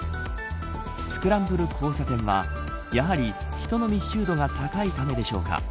スクランブル交差点はやはり人の密集度が高いためでしょうか。